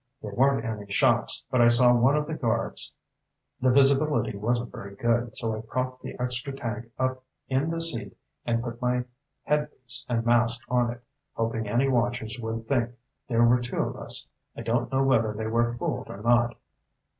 There weren't any shots, but I saw one of the guards. The visibility wasn't very good, so I propped the extra tank up in the seat and put my headpiece and mask on it, hoping any watchers would think there were two of us. I don't know whether they were fooled or not."